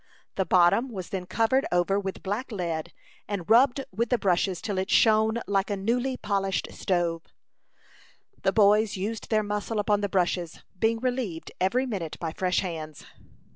The bottom was then covered over with black lead, and rubbed with the brushes till it shone like a newly polished stove. The boys used their muscle upon the brushes, being relieved every minute by fresh hands.